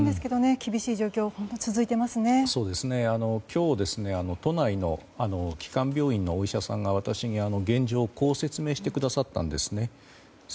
厳しい状況が都内の基幹病院のお医者さんが私に現状をこう説明してくださったんです。